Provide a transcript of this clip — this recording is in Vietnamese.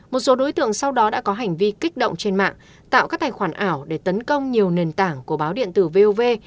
một số đối tượng sau đó đã có hành vi kích động trên mạng tạo các tài khoản ảo để tấn công nhiều nền tảng của báo điện tử vov